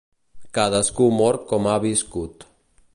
Cadascú mor com ha viscut.